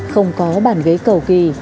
không có bàn ghế cầu kỳ